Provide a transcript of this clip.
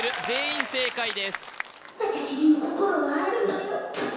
全員正解です